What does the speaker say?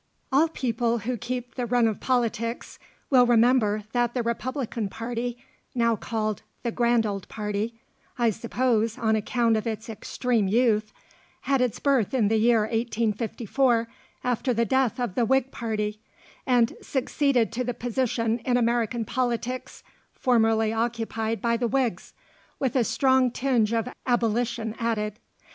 All people who keep the run of politics will remember that the Republican party, now called the "Grand Old Party" (I suppose on account of its extreme youth), had its birth in the year 1854, after the death of the Whig party, and succeeded to the position in American politics formerly occupied by the Whigs, with a strong tinge of abolition added.